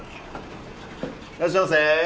いらっしゃいませ。